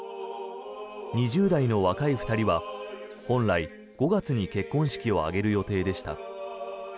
２０代の若い２人は本来、５月に結婚式を挙げる予定でした。